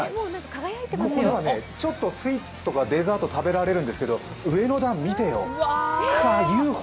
ここではスイーツとかデザート食べられるんだけど、上の段、見てよ。